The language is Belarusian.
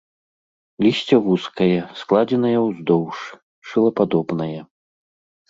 Лісце вузкае, складзенае ўздоўж, шылападобнае.